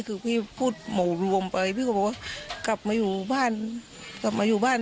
คือพี่พูดหม่อรวมไปพี่ก็บอกว่ากลับมาอยู่บ้าน